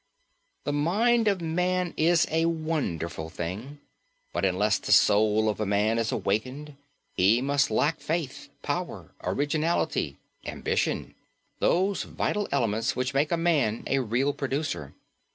The mind of man is a wonderful thing, but unless the soul of man is awakened he must lack faith, power, originality, ambition, those vital elements which make a man a real producer.